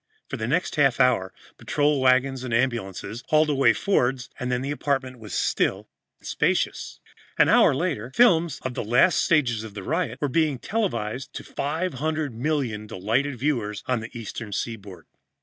For the next half hour, patrol wagons and ambulances hauled away Fords, and then the apartment was still and spacious. An hour later, films of the last stages of the riot were being televised to 500,000,000 delighted viewers on the Eastern Seaboard.